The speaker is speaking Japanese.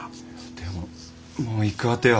でももう行く当ては。